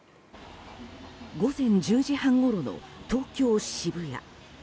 午前１０時半ごろの東京・渋谷。